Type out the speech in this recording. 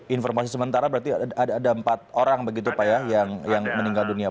informasi sementara berarti ada empat orang begitu pak ya yang meninggal dunia pak